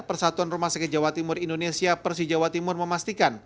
persatuan rumah sakit jawa timur indonesia persijawa timur memastikan